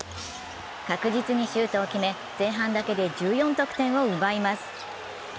確実にシュートを決め前半だけで１４得点を奪います。